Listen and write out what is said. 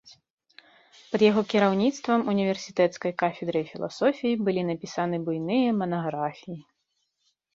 Пад яго кіраўніцтвам універсітэцкай кафедрай філасофіі былі напісаны буйныя манаграфіі.